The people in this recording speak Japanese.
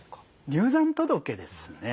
入山届ですね。